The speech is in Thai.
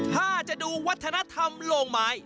ถ้าจะดูวัฒนธรรมโลกหมาย